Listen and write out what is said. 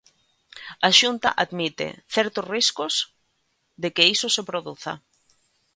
A Xunta admite "certos riscos" de que iso se produza.